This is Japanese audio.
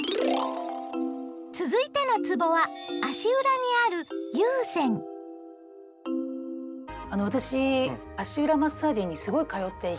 続いてのつぼは足裏にあるあの私足裏マッサージにすごい通っていて。